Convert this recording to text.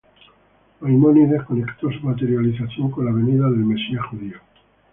Maimónides conectó su materialización con la venida del Mesías judío.